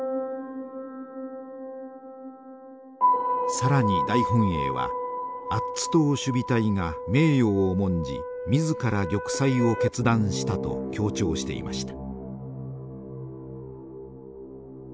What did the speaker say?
更に大本営はアッツ島守備隊が名誉を重んじ自ら玉砕を決断したと強調していました。